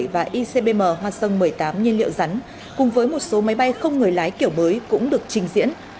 và icbm hoa sơn một mươi tám nhiên liệu rắn cùng với một số máy bay không người lái kiểu mới cũng được trình diễn